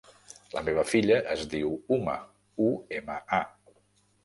La meva filla es diu Uma: u, ema, a.